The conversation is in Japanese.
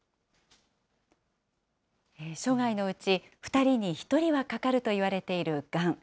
生涯のうち、２人に１人はかかるといわれているがん。